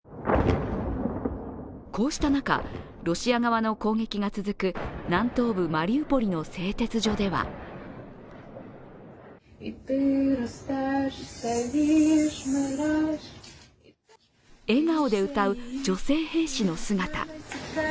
こうした中、ロシア側の攻撃が続く南東部マリウポリの製鉄所では笑顔で歌う女性兵士の姿。